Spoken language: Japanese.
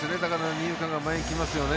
二遊間が前に来ますよね。